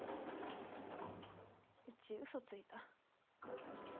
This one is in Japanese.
うちウソついた。